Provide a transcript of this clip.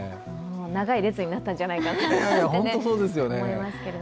長い列になったんじゃないかなと思いますけど。